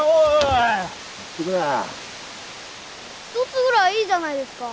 １つぐらいいいじゃないですか。